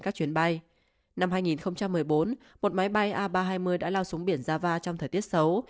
các chuyến bay năm hai nghìn một mươi bốn một máy bay a ba trăm hai mươi đã lao xuống biển java trong thời tiết xấu